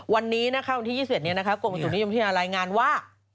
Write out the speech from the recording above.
วันนี้นะคะวันที่ยี่สิบเอ็ดเนี้ยนะคะกรุงประตูนิยมที่น่ารายงานว่า